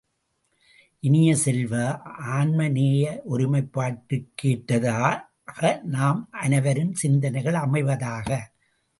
இனிய செல்வ, ஆன்மநேய ஒருமைப்பாட்டுக்கேற்றதாக நம் அனைவரின் சிந்தனை அமைவதாக!